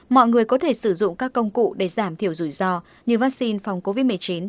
mọi người có thể sử dụng các công cụ để giảm thiểu rủi ro như vaccine phòng covid một mươi chín